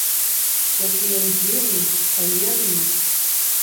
Які ён дзіўны, таемны!